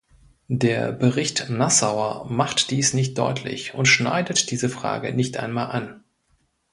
Der Bericht Nassauer macht dies nicht deutlich und schneidet diese Frage nicht einmal an.